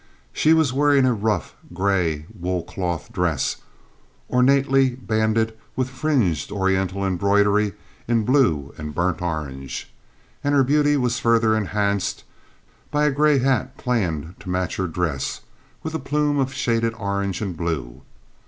She was wearing a rough, gray wool cloth dress, ornately banded with fringed Oriental embroidery in blue and burnt orange, and her beauty was further enhanced by a gray hat planned to match her dress, with a plume of shaded orange and blue.